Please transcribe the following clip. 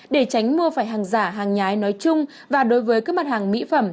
để tránh mua phải hàng giả hàng nhái nói chung và đối với các mặt hàng mỹ phẩm